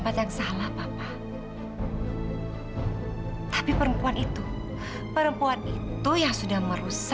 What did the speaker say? tapi yang jelas